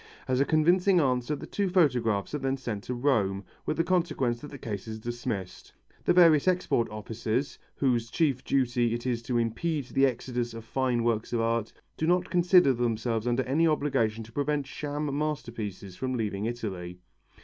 As a convincing answer the two photographs are then sent to Rome, with the consequence that the case is dismissed. The various export offices, whose chief duty it is to impede the exodus of fine works of art, do not consider themselves under any obligation to prevent sham masterpieces from leaving Italy.